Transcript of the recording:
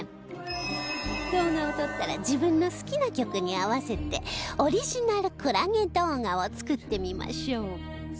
動画を撮ったら自分の好きな曲に合わせてオリジナルクラゲ動画を作ってみましょう